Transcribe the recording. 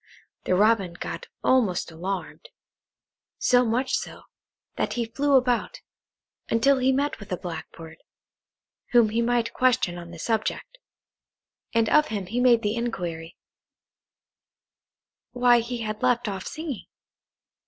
The Robin got almost alarmed. So much so, that he flew about, until he met with a Blackbird, whom he might question on the subject, and of him he made the inquiry, why he had left off singing?